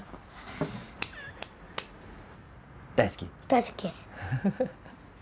大好きです。